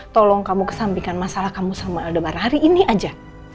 tolong kamu kesampingkan masalah kamu sama eldomar hari ini aja